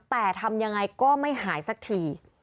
แต่ทำยังไงก็ไม่หายสักที